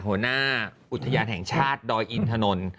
หัวหน้าอุทยานแห่งชาติดอยอินทนนท์